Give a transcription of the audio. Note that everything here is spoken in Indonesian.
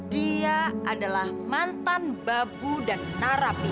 dia adalah mantan babu dan narapi